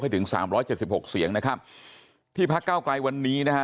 ให้ถึง๓๗๖เสียงนะครับที่พักก้าวกลายวันนี้นะฮะ